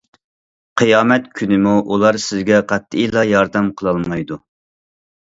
قىيامەت كۈنىمۇ ئۇلار سىزگە قەتئىيلا ياردەم قىلالمايدۇ.